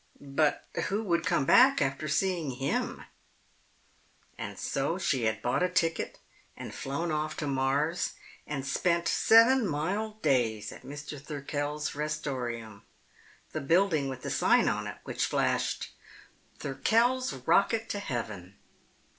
"But who would come back after seeing Him?" And so she had bought a ticket and flown off to Mars and spent seven mild days at Mr. Thirkell's Restorium, the building with the sign on it which flashed: THIRKELL'S ROCKET TO HEAVEN!